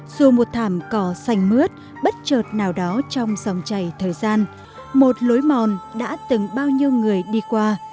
dù một thảm cỏ xanh mướt bất chợt nào đó trong dòng chảy thời gian một lối mòn đã từng bao nhiêu người đi qua